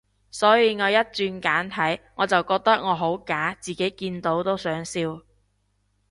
所以我一轉簡體，我就覺得我好假，自己見到都想笑